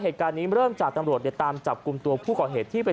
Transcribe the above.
เหตุการณ์นี้เริ่มจากตำรวจตามจับกลุ่มตัวผู้ก่อเหตุที่ไป